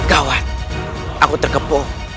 gawat aku terkepung